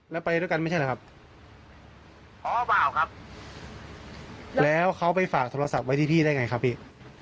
แล้วไปด้วยกันไม่ใช่เหรอครับอ๋อเปล่าครับแล้วเขาไปฝากโทรศัพท์ไว้ที่พี่ได้ไงครับพี่